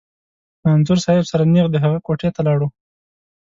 له انځور صاحب سره نېغ د هغه کوټې ته لاړو.